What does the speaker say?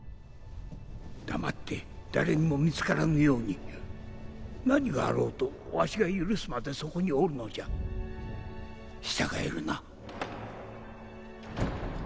黙って誰にも見つからぬように何があろうとわしが許すまでそこにおるのじゃ従えるな？